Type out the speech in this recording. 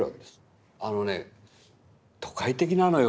あのね都会的なのよ